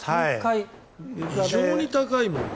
非常に高いもんね。